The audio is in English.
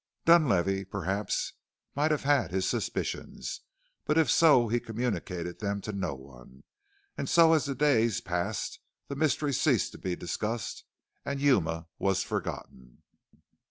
Dunlavey, perhaps, might have had his suspicions, but if so he communicated them to no one, and so as the days passed the mystery ceased to be discussed and Yuma was forgotten.